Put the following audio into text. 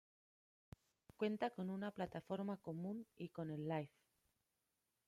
Cuenta con una plataforma común y con el Life.